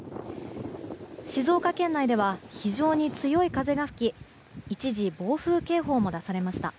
静岡県内では非常に強い風が吹き一時、暴風警報も出されました。